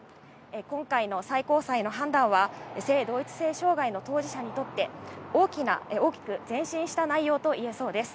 今回の最高裁の判断は、性同一性障害の当事者にとって、大きく前進した内容と言えそうです。